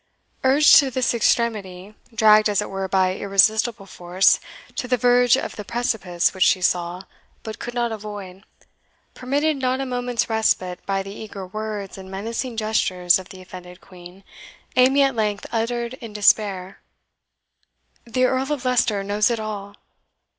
Urged to this extremity, dragged as it were by irresistible force to the verge of the precipice which she saw, but could not avoid permitted not a moment's respite by the eager words and menacing gestures of the offended Queen, Amy at length uttered in despair, "The Earl of Leicester knows it all."